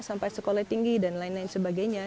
sampai sekolah tinggi dan lain lain sebagainya